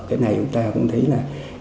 cái này chúng ta cũng thấy là